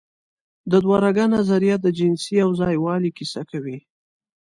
د دوهرګه نظریه د جنسي یوځای والي کیسه کوي.